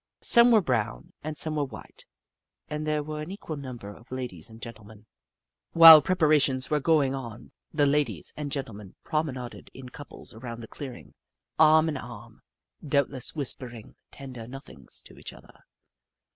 Some were brown and some were white, and there were an equal number of ladies and gentlemen. While preparations were going on, the ladies and gentlemen promenaded in couples around the clearing, arm in arm, doubtless whispering tender nothings to each other.